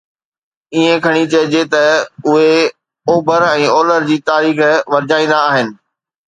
ائين کڻي چئجي ته اهي اوڀر ۽ اولهه جي تاريخ کي ورجائيندا آهن.